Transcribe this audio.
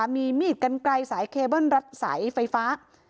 มีมีดกันไกลสายเคเบิ้ลรัดสายไฟฟ้า